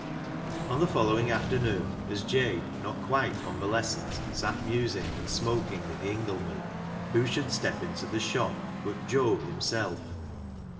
On the following afternoon, as Jabe, not yet quite convalescent, sat musing and smoking in the inglenook, who should step into the shop but Job himself.